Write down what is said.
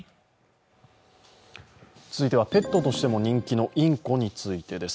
続いてはペットとしても人気のインコについてです。